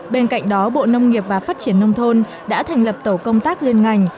bên cạnh đó bộ nông nghiệp và phát triển nông thôn đã thành lập tổ công tác liên ngành